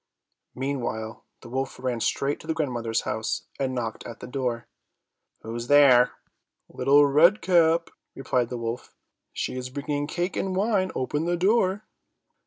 Meanwhile the wolf ran straight to the grandmother's house and knocked at the door. "Who is there?" "Little Red Cap," replied the wolf. "She is bringing cake and wine; open the door."